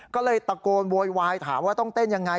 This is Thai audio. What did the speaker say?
ก็เลยตะโกนโวยวายถามว่าต้องเต้นยังไง